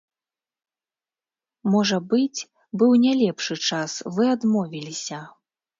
Можа быць, быў не лепшы час, вы адмовіліся.